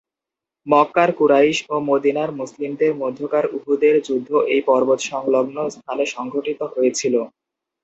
মক্কার কুরাইশ ও মদিনার মুসলিমদের মধ্যকার উহুদের যুদ্ধ এই পর্বত সংলগ্ন স্থানে সংঘটিত হয়েছিল।